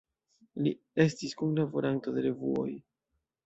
Li estis kunlaboranto de revuoj.